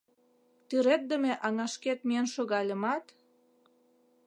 Тӱреддыме аҥашкет миен шогальымат